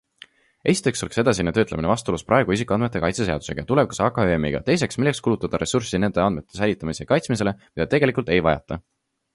Esiteks oleks edasine töötlemine vastuolus praegu isikuandmete kaitse seadusega ja tulevikus AKÜM-iga Teiseks, milleks kulutada ressurssi nende andmete säilitamisele ja kaitsmisele, mida tegelikult ei vajata.